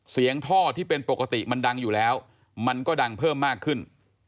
ท่อที่เป็นปกติมันดังอยู่แล้วมันก็ดังเพิ่มมากขึ้น